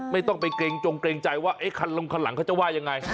ไม่ต้องไปเกรงจงเกรงใจว่าคันลงคันหลังเขาจะว่ายังไง